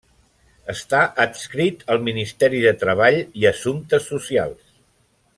Està adscrit al Ministeri de Treball i Assumptes Socials.